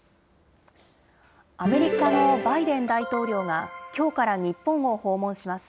アメリカのバイデン大統領が、きょうから日本を訪問します。